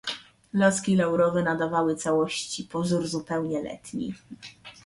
"Laski laurowe nadawały całości pozór zupełnie letni."